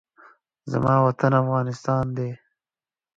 زما وطن افغانستان ده